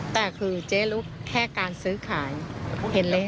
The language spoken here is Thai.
แต่คือเจ๊ลุกแค่การซื้อขายเห็นเลย